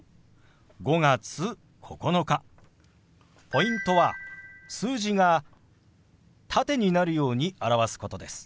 ポイントは数字が縦になるように表すことです。